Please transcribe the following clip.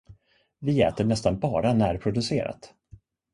Vi äter nästan bara närproducerat.